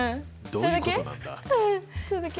それだけ？